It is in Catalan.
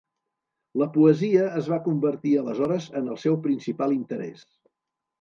La poesia es va convertir aleshores en el seu principal interès.